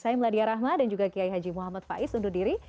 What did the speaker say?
saya meladia rahma dan juga kiai haji muhammad faiz undur diri